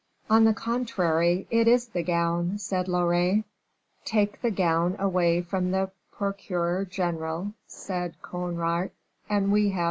"On the contrary, it is the gown," said Loret. "Take the gown away from the procureur general," said Conrart, "and we have M.